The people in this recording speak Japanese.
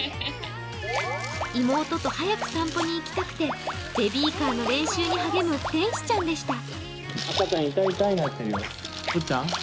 妹と早く散歩に行きたくてベビーカーの練習に励む天使ちゃんでした。